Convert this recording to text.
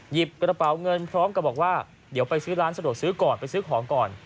กระเป๋าเงินพร้อมกับบอกว่าเดี๋ยวไปซื้อร้านสะดวกซื้อก่อนไปซื้อของก่อน